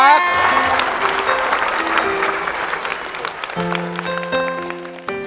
ขอบคุณครับ